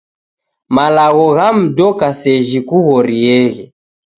Malagho ghamdoka sejhi koghorieghe